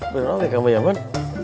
bener bener kamu ya pun